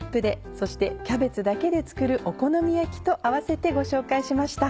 そしてキャベツだけで作るお好み焼きと併せてご紹介しました。